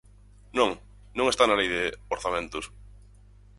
Non, non está na Lei de orzamentos.